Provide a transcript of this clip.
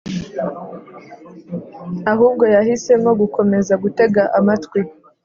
ahubwo yahisemo gukomeza gutega amatwi